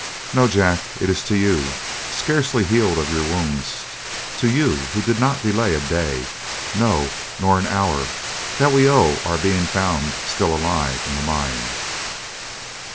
"No, Jack, it is to you, scarcely healed of your wounds—to you, who did not delay a day, no, nor an hour, that we owe our being found still alive in the mine!"